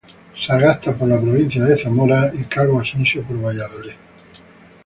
Sagasta por la provincia de Zamora y Calvo Asensio por Valladolid.